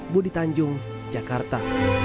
budi tanjung jakarta